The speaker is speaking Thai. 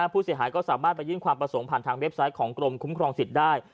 ผู้เสียหายก็สามารถไปยื่นความประสงค์ผ่านทางเว็บไซต์ของกรมคุ้มครองสิทธิ์ได้